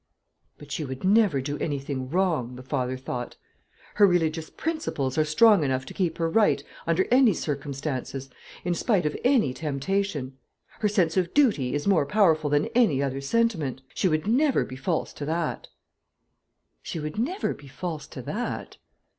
"But she would never do any thing wrong," the father thought. "Her religious principles are strong enough to keep her right under any circumstances, in spite of any temptation. Her sense of duty is more powerful than any other sentiment. She would never be false to that; she would never be false to that."